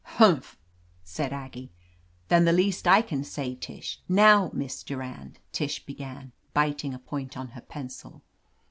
"Humph!" said Aggie. "Then the least I can say, Tish —" *'Now, Miss Durand," Tish began, biting a point on her pencil.